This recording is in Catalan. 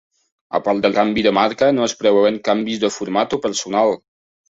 A part del canvi de marca, no es preveuen canvis de format o personal.